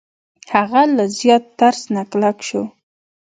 هغه له زیات ترس نه کلک شو.